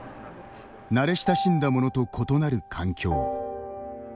慣れ親しんだものと異なる環境。